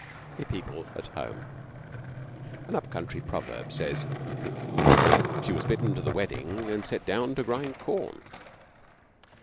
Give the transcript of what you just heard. A PEOPLE AT HOME An up country proverb says, 'She was bidden to the wedding and set down to grind corn.'